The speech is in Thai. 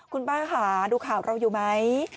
คุณป้าค่ะดูข่าวเราอยู่ไหม